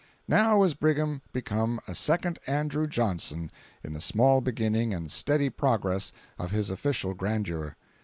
Now was Brigham become a second Andrew Johnson in the small beginning and steady progress of his official grandeur.